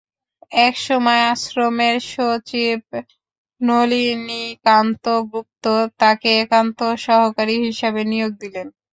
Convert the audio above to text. একসময় আশ্রমের সচিব নলিনীকান্ত গুপ্ত তাঁকে একান্ত সহকারী হিসেবে নিয়োগ দিলেন।